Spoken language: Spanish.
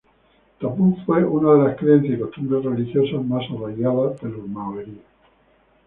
Tapu fue una de las creencias y costumbres religiosas más arraigadas de los maoríes.